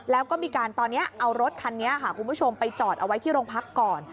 แล้วก็มีการตอนนี้เอารถคันนี้ค่ะคุณผู้ชมไปจอดเอาไว้ที่โรงพักก่อน